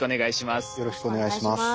よろしくお願いします。